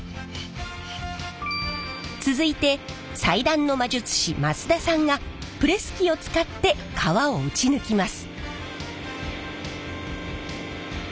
続いて裁断の魔術師増田さんがプレス機を使って革を打ち抜きます。